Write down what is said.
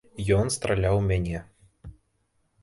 Ён страляў у мяне.